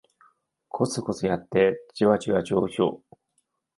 コツコツやってジワジワ上昇